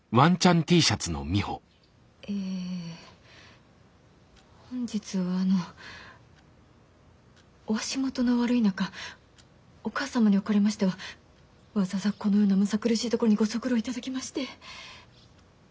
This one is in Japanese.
えぇ本日はあのお足元の悪い中お母様におかれましてはわざわざこのようなむさ苦しいところにご足労頂きまして。